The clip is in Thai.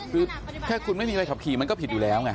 คือแค่คุณไม่มีใบขับขี่มันก็ผิดอยู่แล้วไง